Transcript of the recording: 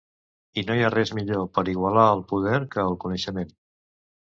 I no hi ha res millor per igualar el poder que el coneixement.